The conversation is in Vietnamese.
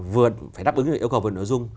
vừa phải đáp ứng được yêu cầu về nội dung